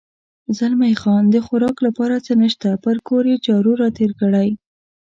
زلمی خان: د خوراک لپاره څه نشته، پر کور یې جارو را تېر کړی.